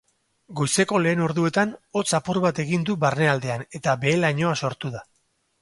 Goizeko lehen orduetan hotz apur bat egin du barnealdean eta behe-lainoa sortu da.